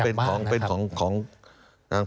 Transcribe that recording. เป็นของ